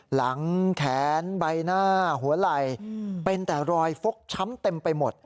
หลังแขนใบหน้าหัวไหล่เป็นแต่รอยฟกช้ำเต็มไปหมด